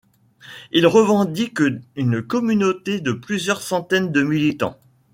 Il revendique une communauté de plusieurs centaines de militants.